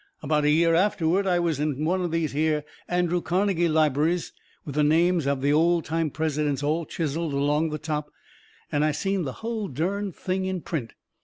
About a year afterward I was into one of these here Andrew Carnegie lib'aries with the names of the old time presidents all chiselled along the top and I seen the hull dern thing in print.